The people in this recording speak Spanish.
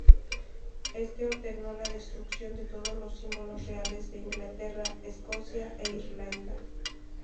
Este ordenó la destrucción de todos los símbolos reales de Inglaterra, Escocia e Irlanda.